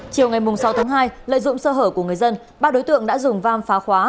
chiều ngày sáu tháng hai lợi dụng sơ hở của người dân ba đối tượng đã dùng vam phá khóa